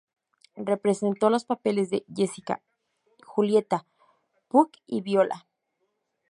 Representó los papeles de Jessica, Julieta, Puck y Viola.